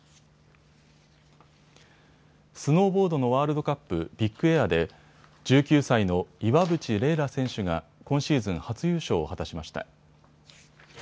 スノーボードのワールドカップ、ビッグエアで１９歳の岩渕麗楽選手が今シーズン初優勝を果たしました。